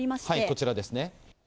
こちらですね。